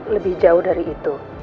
lebih jauh dari itu